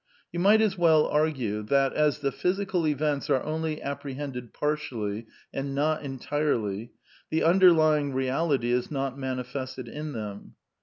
You might as well argue that, as the physical events are only apprehended partially and not entirely, the underlying reality is not manifested in them.